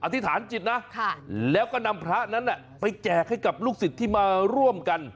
ธิษฐานจิตนะแล้วก็นำพระนั้นไปแจกให้กับลูกศิษย์ที่มาร่วมกัน